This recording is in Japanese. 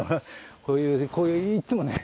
こういういつもね